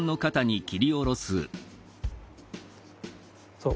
そう。